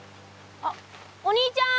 あっお兄ちゃん！